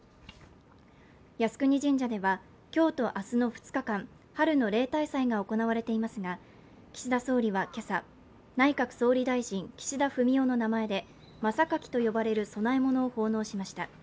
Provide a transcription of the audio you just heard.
靖国神社では、今日と明日の２日間、春の例大祭が行われていますが、岸田総理は今朝、内閣総理大臣・岸田文雄の名前でまさかきと呼ばれる供え物を奉納しました。